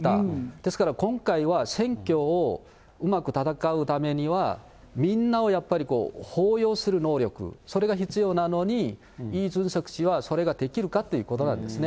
ですから、今回は選挙をうまく戦うためには、みんなを包容する能力、それが必要なのに、イ・ジュンソク氏はそれができるかっていうことなんですね。